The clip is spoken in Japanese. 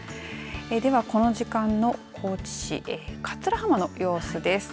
ではこの時間の高知市桂浜の様子です。